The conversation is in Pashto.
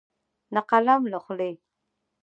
د قلم له خولې